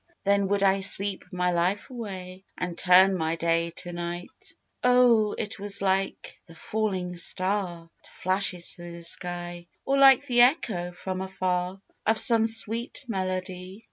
Then would I sleep my life away And turn my day to night ! Oh ! it was like the faUing star That flashes through the sky, Or like the echo from afar Of some sweet melody.